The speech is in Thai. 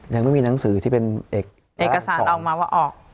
ยังไม่มีหนังสือที่เป็นเอกสารออกมาว่าออก